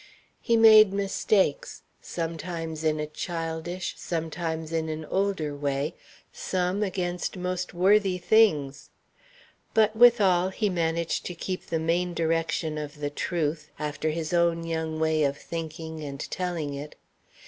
He made mistakes, sometimes in a childish, sometimes in an older way, some against most worthy things. But withal he managed to keep the main direction of truth, after his own young way of thinking and telling it.